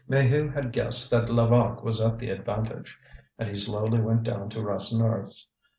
Maheu had guessed that Levaque was at the Avantage, and he slowly went down to Rasseneur's.